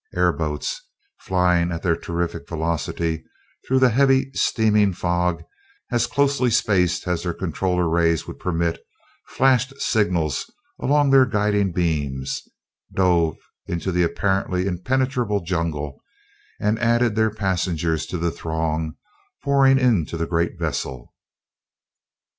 Airboats, flying at their terrific velocity through the heavy, steaming fog as closely spaced as their controller rays would permit, flashed signals along their guiding beams, dove into the apparently impenetrable jungle, and added their passengers to the throng pouring into the great vessel.